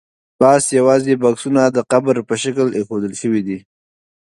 پاس یوازې بکسونه د قبر په شکل ایښودل شوي دي.